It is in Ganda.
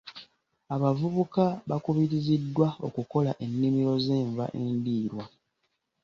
Abavubuka bakubiriziddwa okukola ennimiro z'enva endiirwa.